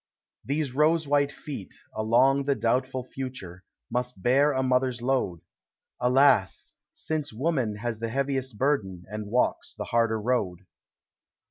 These rose white feet, along the doubtful future, Must bear a mother's load ; Alas! since Woman has the heaviest burden, And walks the harder road.